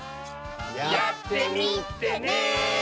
やってみてね！